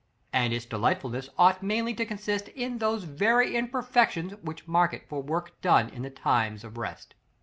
And its delightfulness ought mainly to consist in those very imperfections which mark it for work done in times of rest.